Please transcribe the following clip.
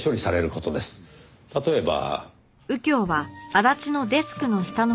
例えば。